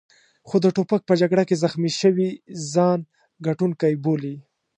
خو د توپک په جګړه کې زخمي شوي ځان ګټونکی بولي.